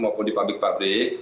maupun di pabrik pabrik